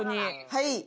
はい。